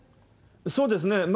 そうですね。